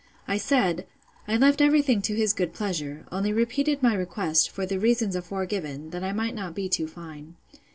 I said, I left every thing to his good pleasure, only repeated my request, for the reasons aforegiven, that I might not be too fine.